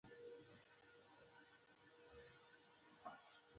آیا ټول ملي سرود ته درناوی کوي؟